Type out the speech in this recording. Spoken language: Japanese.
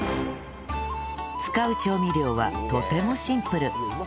使う調味料はとてもシンプル